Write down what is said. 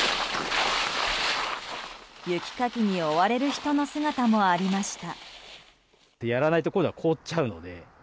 雪かきに追われる人の姿もありました。